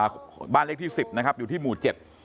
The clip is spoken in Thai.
บ้านเลขที่สิบนะครับอยู่ที่หมู่เจ็ด